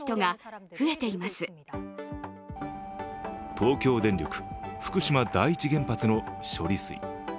東京電力福島第一原発の処理水。